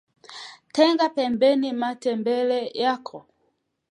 Tenga pembeni matembele yako